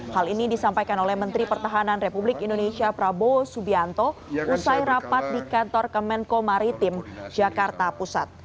hal ini disampaikan oleh menteri pertahanan republik indonesia prabowo subianto usai rapat di kantor kemenko maritim jakarta pusat